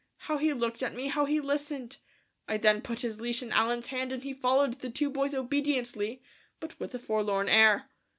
how he looked at me, how he listened! I then put his leash in Allen's hand and he followed the two boys obediently, but with a forlorn air.